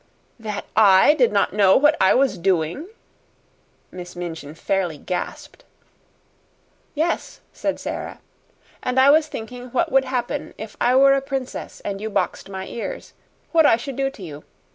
"That I did not know what I was doing?" Miss Minchin fairly gasped. "Yes," said Sara, "and I was thinking what would happen if I were a princess and you boxed my ears what I should do to you.